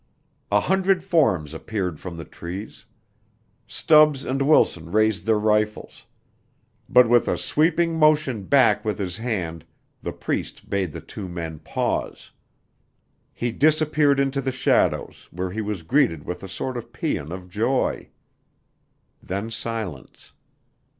A hundred forms appeared from the trees. Stubbs and Wilson raised their rifles. But with a sweeping motion back with his hand, the Priest bade the two men pause. He disappeared into the shadows where he was greeted with a sort of pæan of joy. Then silence.